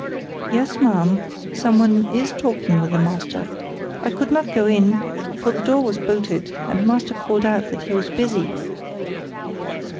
"Yes, ma'am, some one is talking with master. I could not go in, for the door was bolted, and master called out that he was busy."